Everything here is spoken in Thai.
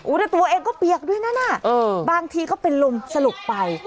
แล้วตัวเองก็เปียกด้วยนั่นน่ะบางทีก็เป็นลมสลบไป